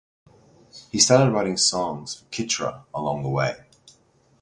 He started writing songs for Chitra along the way.